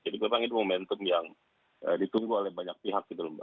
jadi memang itu momentum yang ditunggu oleh banyak pihak